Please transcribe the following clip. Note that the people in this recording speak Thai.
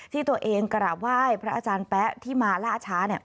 ที่ตัวเองกราบไหว้พระอาจารย์แป๊ะที่มาล่าช้า